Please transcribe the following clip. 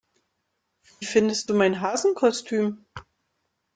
Wie findest du mein Hasenkostüm?